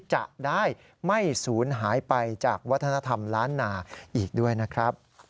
จะได้ไม่สูญหายไปจากวัฒนธรรมล้านนาอีกด้วยนะครับ